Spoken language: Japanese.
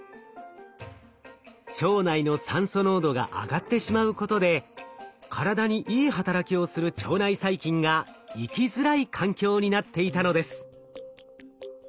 腸内の酸素濃度が上がってしまうことで体にいい働きをする腸内細菌が生きづらい環境になっていたのです。